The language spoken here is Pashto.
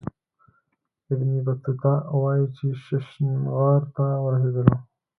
ابن بطوطه وايي چې ششنغار ته ورسېدلو.